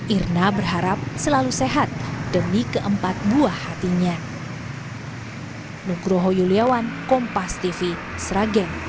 irna berharap selalu sehat demi keempat buah hatinya